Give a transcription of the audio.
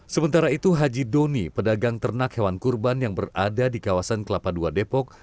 sementara itu haji doni pedagang ternak hewan kurban yang berada di kawasan kelapa ii depok